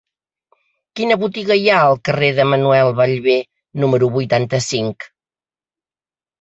Quina botiga hi ha al carrer de Manuel Ballbé número vuitanta-cinc?